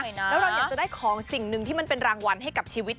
แล้วเราอยากจะได้ของสิ่งหนึ่งที่มันเป็นรางวัลให้กับชีวิต